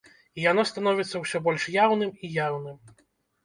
І яно становіцца ўсё больш яўным і яўным.